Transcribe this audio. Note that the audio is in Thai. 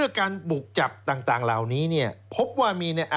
เอ๊ทำถูกกฎหมายแล้วมีการกวาดล้างที่สุดในประวัติศาสตร์ของเยอรมัน